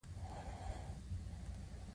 هغه د ځلانده پسرلی پر مهال د مینې خبرې وکړې.